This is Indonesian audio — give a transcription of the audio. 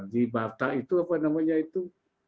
di batak itu apa namanya itu